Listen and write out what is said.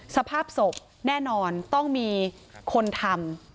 สภาพศพแน่นอนต้องมีคนทำ